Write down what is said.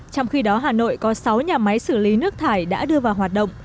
trong khi đó hà nội có sáu nhà máy xử lý nước thải đã đưa vào hoạt động